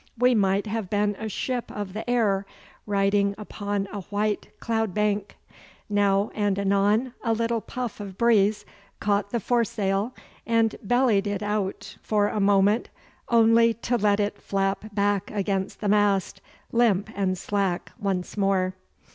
We might have been a ship of the air riding upon a white cloud bank. Now and anon a little puff of breeze caught the foresail and bellied it out for a moment, only to let it flap back against the mast, limp and slack, once more.